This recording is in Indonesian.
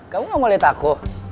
kamu gak mau liat aku